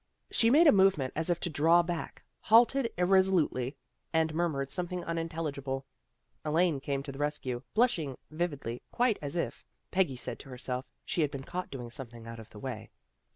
She made a movement as if to draw back, halted irresolutely, and murmured some thing unintelligible. Elaine came to the rescue, blushing vividly, quite as if, Peggy said to 48 THE GIRLS OF FRIENDLY TERRACE herself, she had been caught doing something out of the way.